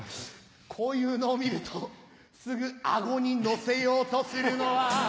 こういうのを見るとすぐ顎にのせようとするのは。